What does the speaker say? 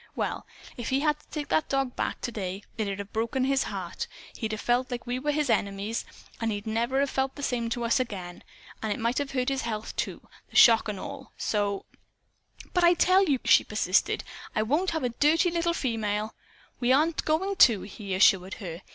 Well, if he had to take that dog back to day, it'd have broke his heart. He'd have felt like we were his enemies, and he'd never have felt the same to us again. And it might have hurt his health too the shock and all. So " "But I tell you," she persisted, "I won't have a dirty little female " "We aren't going to," he assured her.